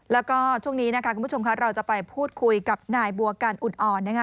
แล้วก็ช่วงนี้คุณผู้ชมเราจะไปพูดคุยกับนายบัวกันอุ่นอ่อน